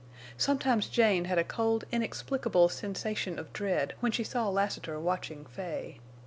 Sometimes Jane had a cold, inexplicable sensation of dread when she saw Lassiter watching Fay.